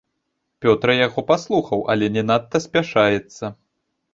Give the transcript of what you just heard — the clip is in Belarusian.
Пётра яго паслухаў, але не надта спяшаецца.